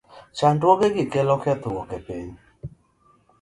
Chandruogegi kelo kethruok ne piny.